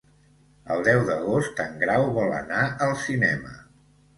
El deu d'agost en Grau vol anar al cinema.